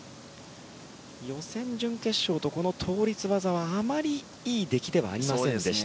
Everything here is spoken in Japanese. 予選、準決勝と倒立技はあまりいい出来ではありませんでした。